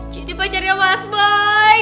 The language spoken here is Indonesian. jadi pacarnya mas boy